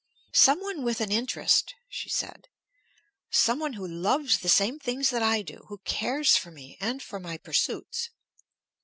"Some one with an interest," she said. "Some one who loves the same things that I do, who cares for me, and for my pursuits.